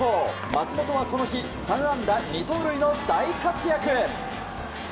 松本はこの日３安打２盗塁の大活躍。